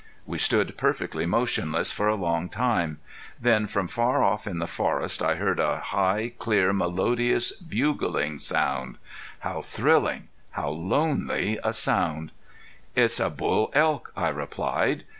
We stood perfectly motionless for a long moment. Then from far off in the forest I heard a high, clear, melodious, bugling note. How thrilling, how lonely a sound! "It's a bull elk," I replied.